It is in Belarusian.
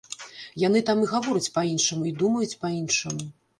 Яны там і гавораць па-іншаму, і думаюць па-іншаму.